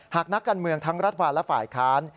หากนักการเมืองทั้งรัฐบาลและฝ่ายค้าน